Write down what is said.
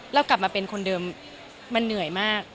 เรากลับมาเป็นคนเดิมมันเหนื่อยมาก